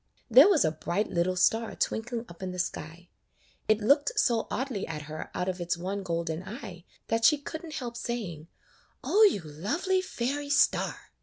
There was a bright little star twinkling up in the sky. It looked so oddly at her out of its one golden eye that she could n't help saying, "O you lovely fairy star!"